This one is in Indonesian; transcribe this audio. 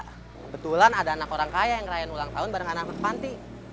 kebetulan ada anak orang kaya yang ngerayain ulang tahun bareng anak panti